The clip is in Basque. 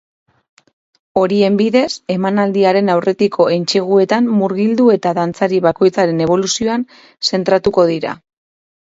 Horien bidez, emanaldiaren aurretiko entseguetan murgildu eta dantzari bakoitzaren eboluzioan zentratuko dira.